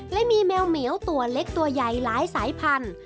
และมีแมวเหมียวตัวเล็กตัวใหญ่หลายสายพันธุ